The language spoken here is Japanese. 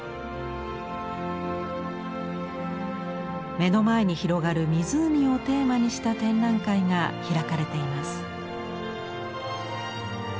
目の前に広がる湖をテーマにした展覧会が開かれています。